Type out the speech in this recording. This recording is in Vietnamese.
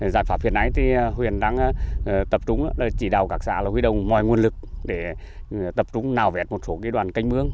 giải pháp huyện này thì huyện đang tập trung chỉ đào các xã là huy đồng mọi nguồn lực để tập trung nào vẹt một số cái đoàn canh mướng